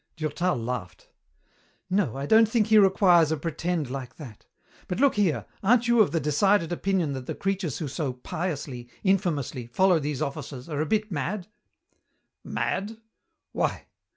Durtal laughed. "No, I don't think he requires a pretend like that. But look here, aren't you of the decided opinion that the creatures who so piously, infamously, follow these offices are a bit mad?" "Mad? Why?